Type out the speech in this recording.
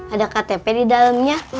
ada ktp di dalamnya